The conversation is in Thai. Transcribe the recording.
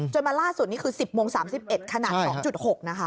มาล่าสุดนี้คือ๑๐โมง๓๑ขนาด๒๖นะคะ